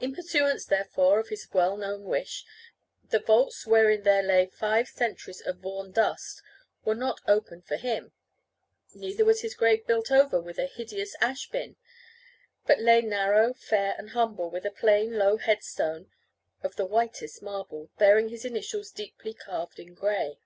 In pursuance, therefore, of his well known wish, the vaults wherein there lay five centuries of Vaughan dust were not opened for him; neither was his grave built over with a hideous ash bin; but lay narrow, fair, and humble, with a plain, low headstone of the whitest marble, bearing his initials deeply carved in grey.